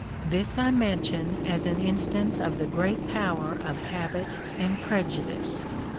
This I mention as an instance of the great power of habit and prejudice.